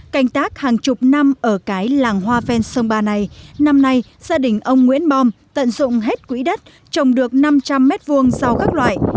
canh tác hàng chục năm ở cái làng hoa phen sông ba này năm nay gia đình ông nguyễn bom tận dụng hết quỹ đất trồng được năm trăm linh m hai rau các loại